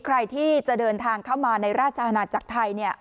ใครที่จะเดินทางเข้ามาในราชอาณาจักรไทย